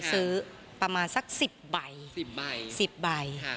ซื้อประมาณสัก๑๐ใบ